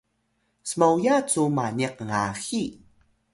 smoya cu maniq ngahi